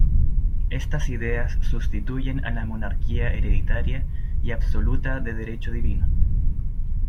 Estas ideas sustituyen a la monarquía hereditaria y absoluta de derecho divino.